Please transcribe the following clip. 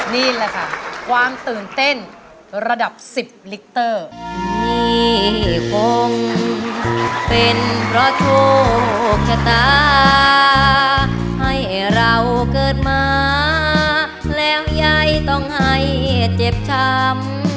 นี่แหละค่ะความตื่นเต้นระดับ๑๐ลิตเตอร์